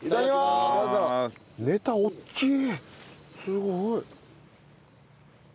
すごい。